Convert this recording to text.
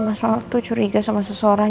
mas al tuh curiga sama seseorang